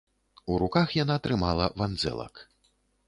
У руках яна трымала вандзэлак.